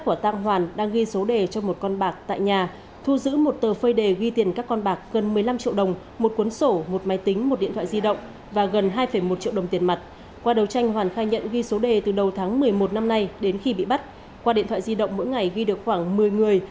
qua điện thoại di động mỗi ngày ghi được khoảng một mươi người